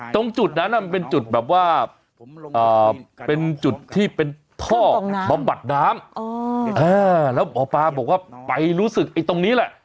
ตรงจุดนั้นมันเป็นจุดแบบว่าเป็นจุดที่เป็นท่อบำบัดน้ำแล้วหมอปลาบอกว่าไปรู้สึกไอ้ตรงนี้แหละ